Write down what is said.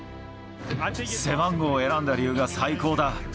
背番号を選んだ理由が最高だ。